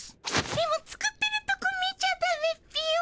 でも作ってるとこ見ちゃダメっピよ。